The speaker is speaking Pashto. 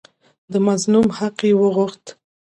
د مظلوم حق یې وغوښت.